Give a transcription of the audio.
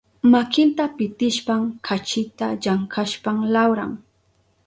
Makinta pitishpan kachita llankashpan lawran.